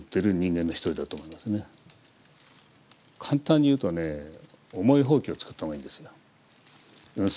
簡単に言うとね重いほうきを使った方がいいんですよ雲水のためには。